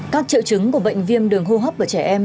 các triệu chứng của bệnh viêm đường hô hấp của trẻ em